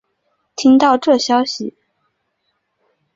听到这消息